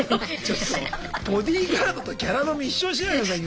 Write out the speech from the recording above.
ボディーガードとギャラ飲み一緒にしないでください